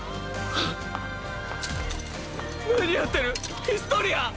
何やってるヒストリア⁉